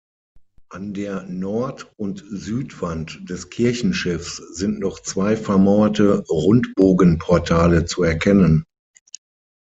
An der Nord- und Südwand des Kirchenschiffs sind noch zwei vermauerte Rundbogenportale zu erkennen.